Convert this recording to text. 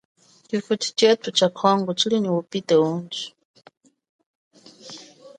Tshifuchi tshetu tsha congo tshili nyi ubite undji.